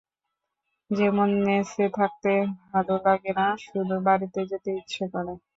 যেমন, মেসে থাকতে ভালো লাগে না, শুধু বাড়ি যেতে ইচ্ছে করে।